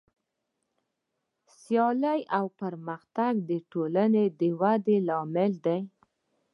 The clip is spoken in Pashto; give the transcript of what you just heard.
سیالي او پرمختګ د ټولنې د ودې لامل دی.